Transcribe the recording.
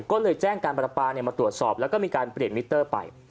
ก็เลยแจ้งการประปามาตรวจสอบแล้วก็มีการเปลี่ยนมิเตอร์ไป